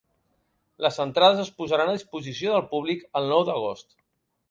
Les entrades es posaran a disposició del públic el nou d’agost.